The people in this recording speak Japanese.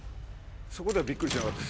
そこではびっくりしなかった。